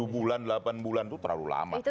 sepuluh bulan delapan bulan itu terlalu lama